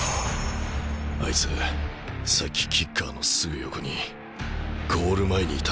あいつさっきキッカーのすぐ横にゴール前にいたんだ。